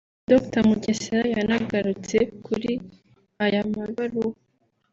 Dr Mugesera yanagarutse kuri aya mabaruwa